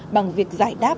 bằng việc giải đáp